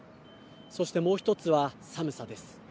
そしてもう１つは寒さです。